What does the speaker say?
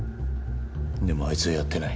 でもあいつはやってない。